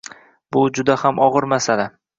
Bu juda ham og‘ir masala.